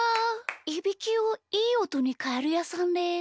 いびきをいいおとにかえるやさんです。